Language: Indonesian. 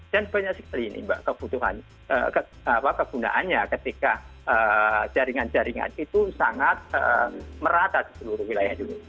dan banyak sekali ini pak kebutuhan kegunaannya ketika jaringan jaringan itu sangat merata di seluruh